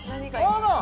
あら！